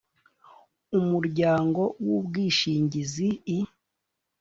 umuryango w’ubwishingizi i